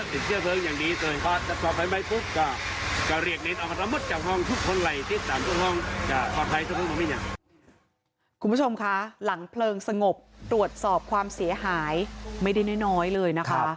คุณผู้ชมคะหลังเพลิงสงบตรวจสอบความเสียหายไม่ได้น้อยเลยนะคะ